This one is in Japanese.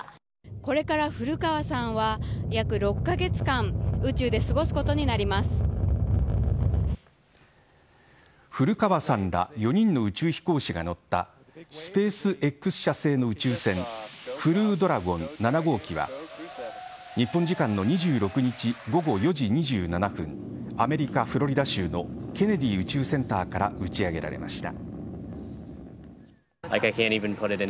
これから古川さんは約６カ月間、宇宙で古川さんら４人の宇宙飛行士が乗ったスペースＸ社製の宇宙船クルードラゴン７号機は日本時間の２６日午後４時２７分アメリカ・フロリダ州のケネディ宇宙センターから打ち上げられました。